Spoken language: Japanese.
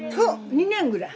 ２年ぐらい。